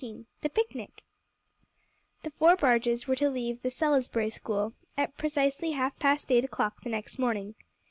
XIII THE PICNIC The four barges were to leave the "Salisbury School" at precisely half past eight o'clock the next morning.